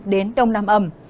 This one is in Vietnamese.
đến đông nam ẩm